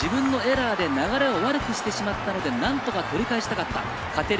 自分のエラーで流れを悪くしてしまったので何とか取り返したかった。